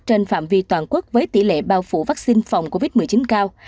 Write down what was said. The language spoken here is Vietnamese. trên phạm vi toàn quốc với tỷ lệ bao phủ vaccine phòng covid một mươi chín cao